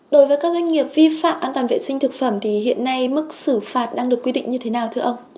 đối với các doanh nghiệp vi phạm an toàn vệ sinh thực phẩm thì hiện nay mức xử phạt đang được quy định như thế nào thưa ông